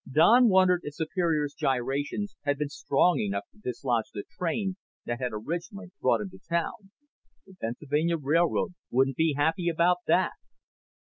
Don wondered if Superior's gyrations had been strong enough to dislodge the train that had originally brought him to town. The Pennsylvania Railroad wouldn't be happy about that.